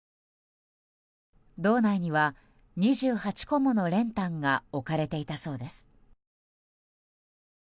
堂内には２８個もの練炭が置かれていたそうです。